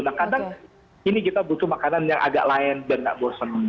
nah kadang ini kita butuh makanan yang agak lain biar nggak bosen